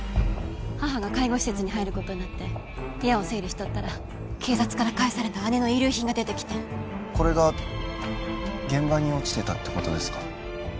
母が介護施設に入ることになって部屋を整理しとったら警察から返された姉の遺留品が出てきてこれが現場に落ちてたってことですか？